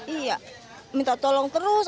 iya minta tolong terus